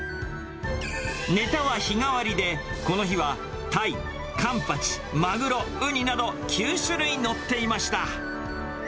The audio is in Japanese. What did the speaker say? ネタは日替わりで、この日はタイ、カンパチ、マグロ、ウニなど９種類載っていました。